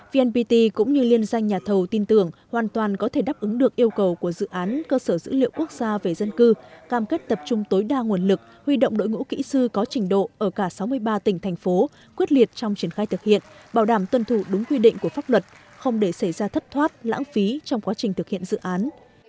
vnpt cũng như liên danh nhà thầu tin tưởng hoàn toàn có thể đáp ứng được yêu cầu của dự án cơ sở dữ liệu quốc gia về dân cư cam kết tập trung tối đa nguồn lực huy động đội ngũ kỹ sư có trình độ ở cả sáu mươi ba tỉnh thành phố quyết liệt trong triển khai thực hiện bảo đảm tuân thủ đúng quy định của pháp luật không để xảy ra thất thoát lãng phí trong quá trình thực hiện dự án